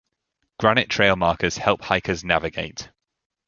Granite trail markers help hikers navigate.